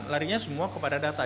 larinya semua kepada data